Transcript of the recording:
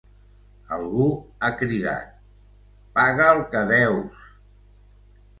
Algú ha cridat: ‘Paga el que deus!’